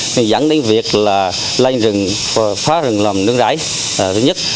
thì dẫn đến việc là lên rừng phá rừng làm nướng rãi thứ nhất